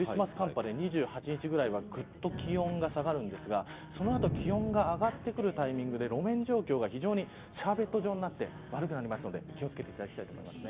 ２８日ぐらいはぐっと気温が下がるんですがその後、気温が上がってくるタイミングで路面状況がシャーベット状になって悪くなってくるので気を付けていただきたいと思います。